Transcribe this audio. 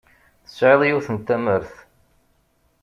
Tesɛiḍ yiwet n tamert.